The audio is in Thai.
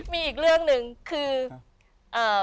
มีอีกเรื่องนึงคือ